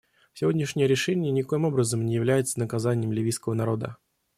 Сегодняшнее решение никоим образом не является наказанием ливийского народа.